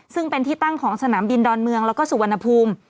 ซึ่งเป็นที่ตั้งของสนามบินดอนเมืองแล้วก็สุวรรณภูมิ